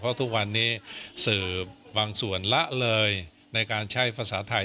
เพราะทุกวันนี้สื่อบางส่วนละเลยในการใช้ภาษาไทย